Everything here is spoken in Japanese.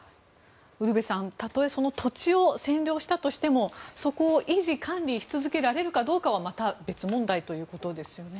ウルヴェさんたとえその土地を占領したとしてもそこを維持・管理し続けられるかどうかはまた別問題ということですよね。